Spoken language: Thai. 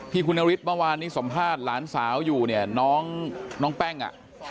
คุณนฤทธิเมื่อวานนี้สัมภาษณ์หลานสาวอยู่เนี่ยน้องแป้งอ่ะ